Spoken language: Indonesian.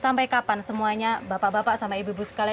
sampai kapan semuanya bapak bapak sama ibu ibu sekalian